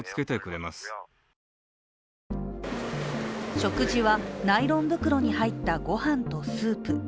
食事はナイロン袋に入ったごはんとスープ。